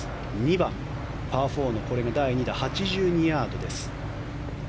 ２番、パー４のこれが第２打８２ヤードです。